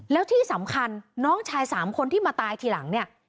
แล้วที่สำคัญน้องชาย๓คนที่มาตายทีหลังเนี่ย